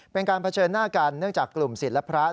เป็นการเผชิญหน้ากันเนื่องจากกลุ่มศิลประทิ